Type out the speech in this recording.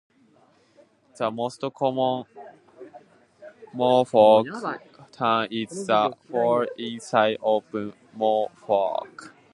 The most common mohawk turn is the forward inside open mohawk.